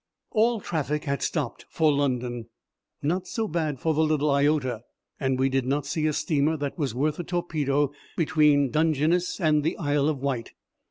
All traffic had stopped for London not so bad for the little Iota and we did not see a steamer that was worth a torpedo between Dungeness and the Isle of Wight.